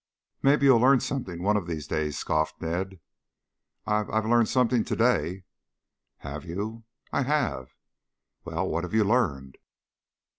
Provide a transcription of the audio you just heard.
"Maybe you'll learn something one of these days," scoffed Ned. "I I've learned something to day." "Have you?" "I have." "Well, what have you learned?"